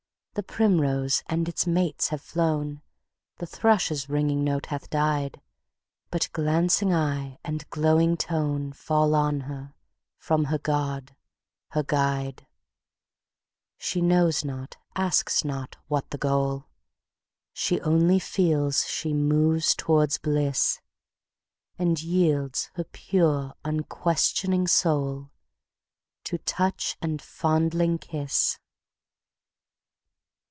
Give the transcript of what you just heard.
The primrose and its mates have flown, The thrush's ringing note hath died; But glancing eye and glowing toneFall on her from her god, her guide. She knows not, asks not, what the goal, She only feels she moves towards bliss, And yields her pure unquestioning soulTo touch and fondling kiss.